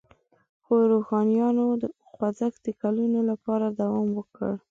خو روښانیانو خوځښت د کلونو لپاره دوام وکړ.